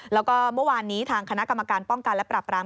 แล้วก็เมื่อวานนี้ทางคณะกรรมการป้องกันและปรับราม